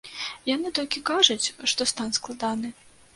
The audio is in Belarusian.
Яны толькі кажуць, што стан складаны.